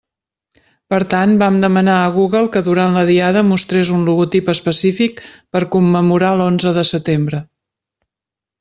Per tant, vam demanar a Google que durant la Diada mostrés un logotip específic per commemorar l'onze de setembre.